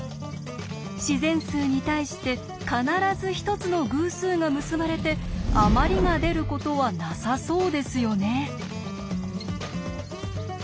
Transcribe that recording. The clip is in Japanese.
自然数に対して必ず１つの偶数が結ばれて「あまり」が出ることはなさそうですよね。